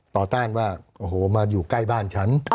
ต้านว่าโอ้โหมาอยู่ใกล้บ้านฉัน